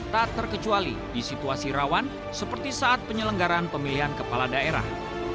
tak terkecuali di situasi rawan seperti saat penyelenggaran pemilihan kepala daerah